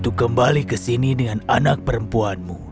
aku akan mencari dia